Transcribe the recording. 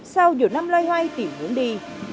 sau nhiều năm loay hoay tỉnh hướng đi